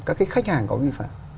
các cái khách hàng có vi phạm